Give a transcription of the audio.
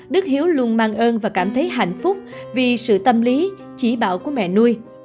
đức hiếu luôn mang ơn và cảm thấy hạnh phúc vì sự tâm lý trí bảo của mẹ nuôi